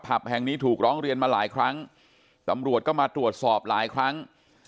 แห่งนี้ถูกร้องเรียนมาหลายครั้งตำรวจก็มาตรวจสอบหลายครั้ง